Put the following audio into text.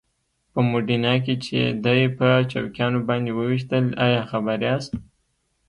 په موډینا کې چې یې دی په چوکیانو باندې وويشتل ایا خبر یاست؟